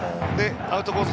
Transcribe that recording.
アウトコース